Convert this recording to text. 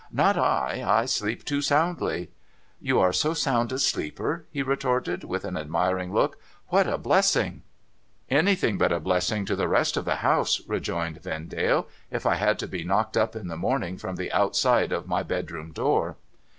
' Not I. I sleep too soundly.' 'You are so sound a sleeper?' he retorted, with an admiring look. ' What a blessing !' 'Anything but a blessing to the rest of the house,' rejoined Vendale, ' if I had to be knocked up in the morning from the outside of my bedroom door.'